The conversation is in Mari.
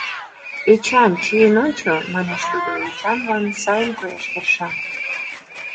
— Эчан, чиен ончо, — манеш тудо, Эчанлан сайын кояш тырша.